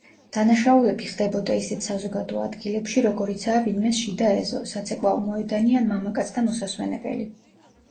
დანაშაულები ხდებოდა ისეთ საზოგადო ადგილებში, როგორიცაა ვინმეს შიდა ეზო, საცეკვაო მოედანი ან მამაკაცთა მოსასვენებელი.